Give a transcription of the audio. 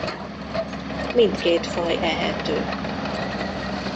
Mindkét faj ehető.